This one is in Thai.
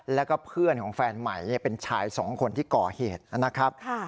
แล้วก็เพื่อนของแฟนใหม่เป็นชายสองคนที่ก่อเหตุนะครับ